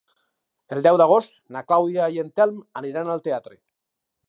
El deu d'agost na Clàudia i en Telm aniran al teatre.